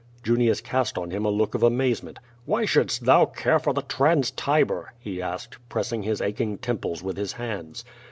Junius cast on him a look of amazement. "Why shouldst thou care for the Trans Tiber?'' he asked, jiressing his ach ing temples with his hands.